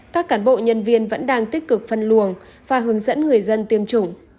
các cán bộ nhân viên vẫn đang tích cực phân luồng và hướng dẫn người dân tiêm chủng